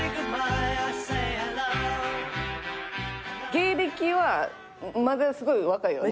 芸歴はまだすごい若いよな？